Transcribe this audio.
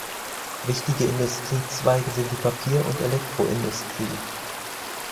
Wichtige Industriezweige sind die Papier- und Elektroindustrie.